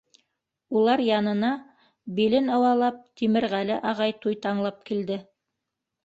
Улар янына билен ыуалап Тимерғәле ағай туйтаңлап килде.